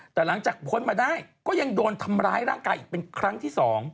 แต่หลังจากพ้นมาได้ก็ยังโดนทำร้ายร่างกายอีกเป็นครั้งที่๒